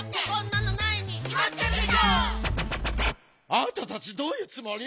あたたちどういうつもり？